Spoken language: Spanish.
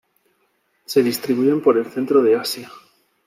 Se distribuyen por el centro de Asia.